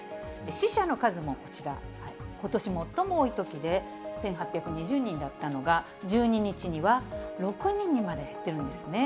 死者の数もこちら、ことし最も多いときで１８２０人だったのが、１２日には６人にまで減ってるんですね。